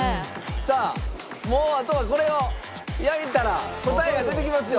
さあもうあとはこれを焼いたら答えが出てきますよ。